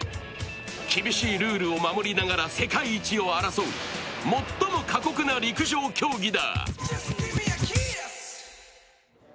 厳しいルールを守りながら世界一を争う、最も過酷な陸上競技だ。